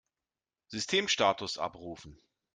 Systemstatus abrufen!